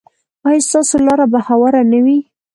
ایا ستاسو لاره به هواره نه وي؟